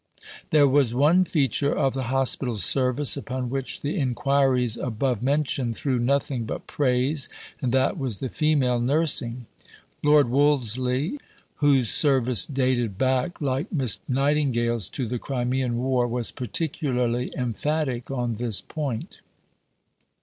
There was one feature of the Hospital Service upon which the inquiries above mentioned threw nothing but praise, and that was the female nursing. Lord Wolseley, whose service dated back, like Miss Nightingale's, to the Crimean War, was particularly emphatic on this point.